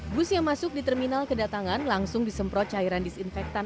bus yang masuk di terminal kedatangan langsung disemprot cairan disinfektan